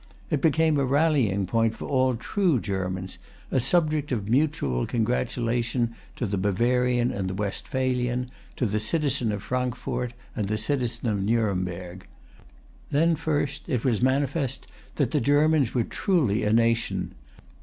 It became a rallying point for all true Germans, a subject of mutual congratulation to the Bavarian and the Westphalian, to the citizen of Frankfort and the citizen of Nuremberg. Then first it was manifest that the Germans were truly a nation.